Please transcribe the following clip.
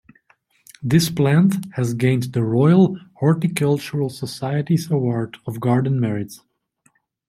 This plant has gained the Royal Horticultural Society's Award of Garden Merit.